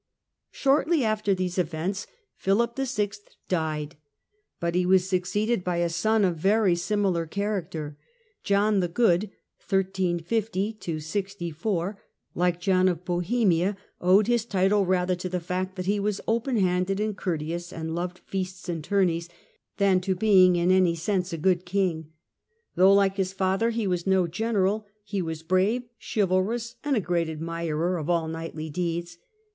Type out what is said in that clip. John tins Shortly after these events Philip VI. died, but he was ?35() 64 succeeded by a son of very similar character. John the Good, like John of Bohemia, owed his title rather to the fact that he was " open handed and courteous and loved feasts and tourneys," than to being in any sense a good King. Though like his father he was no general, he was brave, chivalrous and a great admirer of all knightly deeds.